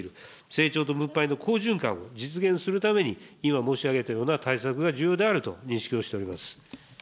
成長と分配の好循環を実現するために、今申し上げたような対策が重要であると認識をしております。